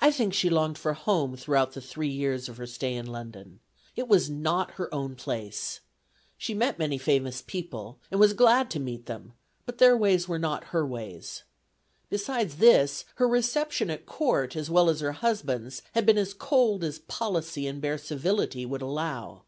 I think she longed for home throughout the three years of her stay in London. It was not her own place. She met many famous people, and was glad to meet them, but their ways were not her ways. Besides this, her reception at Court, as well as her husband's, had been as cold as policy and bare civility would allow.